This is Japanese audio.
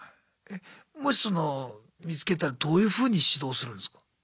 えもしその見つけたらどういうふうに指導するんですか？